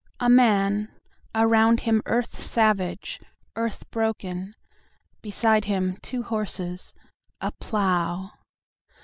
A man: around him earth savage, earth broken; Beside him two horses—a plough!